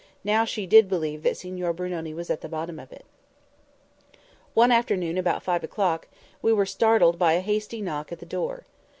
Now she did believe that Signor Brunoni was at the bottom of it." One afternoon, about five o'clock, we were startled by a hasty knock at the door.